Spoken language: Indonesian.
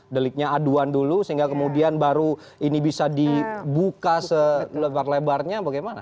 deliknya aduan dulu sehingga kemudian baru ini bisa dibuka selebar lebarnya bagaimana